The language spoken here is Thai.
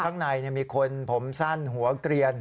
ข้างในมีคนผมสั้นหัวเกลียน